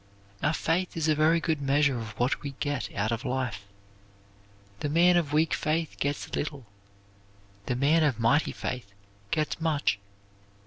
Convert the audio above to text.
Our faith is a very good measure of what we get out of life. The man of weak faith gets little; the man of mighty faith gets much.